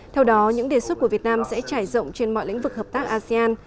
theo đó những đề xuất của việt nam sẽ trải rộng trên mọi lĩnh vực hợp tác asean